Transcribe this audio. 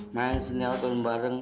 main sinial tahun bareng